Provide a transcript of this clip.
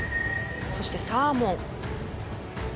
そしてサーモン。